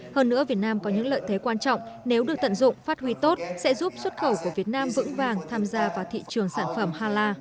hơn nữa việt nam có những lợi thế quan trọng nếu được tận dụng phát huy tốt sẽ giúp xuất khẩu của việt nam vững vàng tham gia vào thị trường sản phẩm hala